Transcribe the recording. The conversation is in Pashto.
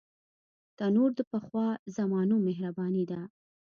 تنور د پخوا زمانو مهرباني ده